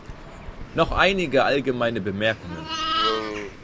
Noch einige allgemeine Bemerkungen.